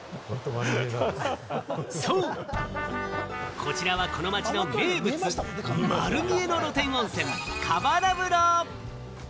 そう、こちらはこの町の名物、まる見えの露天温泉・河原風呂。